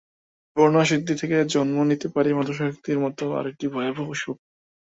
Porno আসক্তি থেকে জন্ম নিতে পারে মাদকাসক্তির মতো আরেকটি ভয়াবহ অসুখ।